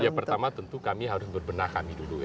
ya pertama tentu kami harus berbenah kami dulu ya